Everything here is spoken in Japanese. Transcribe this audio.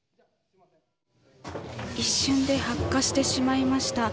一瞬で発火してしまいました。